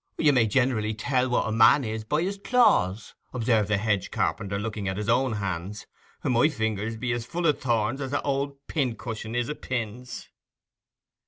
'You may generally tell what a man is by his claws,' observed the hedge carpenter, looking at his own hands. 'My fingers be as full of thorns as an old pin cushion is of pins.